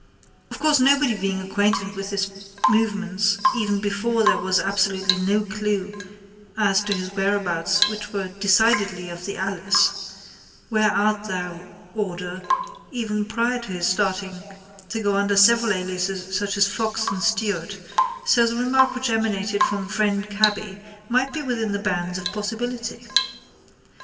Of course nobody being acquainted with his movements even before there was absolutely no clue as to his whereabouts which were decidedly of the Alice, where art thou order even prior to his starting to go under several aliases such as Fox and Stewart so the remark which emanated from friend cabby might be within the bounds of possibility.